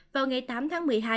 vào ngày tám tháng một mươi hai